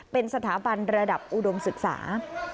เป็นสถาบันระดับอุดมศึกษา